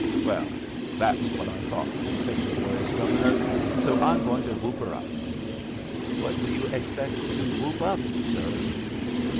"Well, that's what I thought," said the joyous Governor, "so I'm going to whoop her up." "What do you expect to whoop up, sir?"